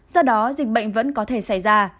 do đó dịch bệnh vẫn có thể xảy ra